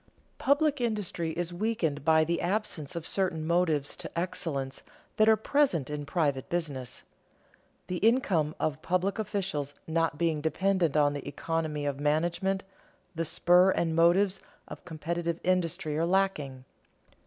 Public industry is weakened by the absence of certain motives to excellence that are present in private business. The income of public officials not being dependent on the economy of management, the spur and motives of competitive industry are lacking.